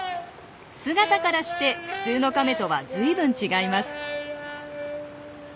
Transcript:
姿からして普通のカメとはずいぶん違います。